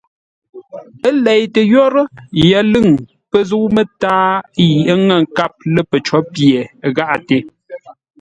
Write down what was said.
Ə́ leitə́ yórə́, yəlʉ̂ŋ pə̂ zə̂u mətǎa yi ə́ ŋə̂ nkâp lə́ pəcó pye gháʼate.